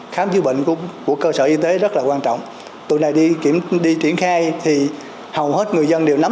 khám chữa bệnh của cơ sở y tế rất là quan trọng tụ này đi triển khai thì hầu hết người dân đều nắm